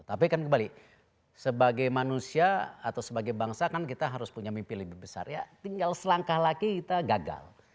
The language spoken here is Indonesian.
tapi kan kembali sebagai manusia atau sebagai bangsa kan kita harus punya mimpi lebih besar ya tinggal selangkah lagi kita gagal